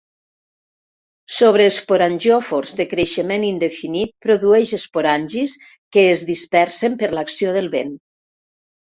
Sobre esporangiòfors de creixement indefinit produeix esporangis que es dispersen per l'acció del vent.